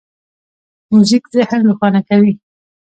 موزیک ذهن روښانه کوي.